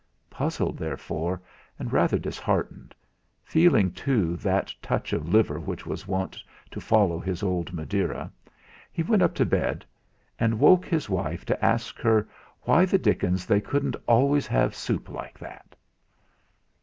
Puzzled, therefore, and rather disheartened, feeling too that touch of liver which was wont to follow his old Madeira, he went up to bed and woke his wife to ask her why the dickens they couldn't always have soup like that!